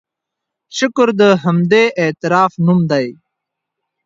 شکر د همدې اعتراف نوم دی.